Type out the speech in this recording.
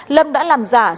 lâm đã làm giải quyết